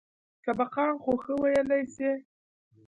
سبقان خو ښه ويلى سئ.